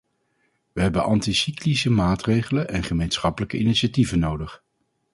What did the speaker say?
We hebben anticyclische maatregelen en gemeenschappelijke initiatieven nodig.